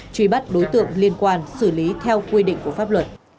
truy bắt đối tượng liên quan xử lý theo quy định của pháp luật